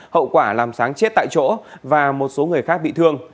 hậu quả làm sáng chết tại chỗ và một số người khác bị thương